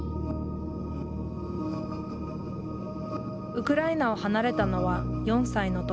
ウクライナを離れたのは４歳の時。